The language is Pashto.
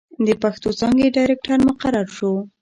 َد پښتو څانګې ډائرکټر مقرر شو